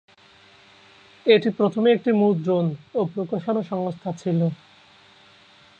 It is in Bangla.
এটি প্রথমে একটি মুদ্রণ ও প্রকাশনা সংস্থা ছিল।